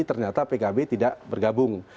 ternyata pkb tidak bergabung